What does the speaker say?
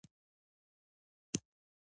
ما د موبایل هینډفري په غوږونو کې ښخه کړه.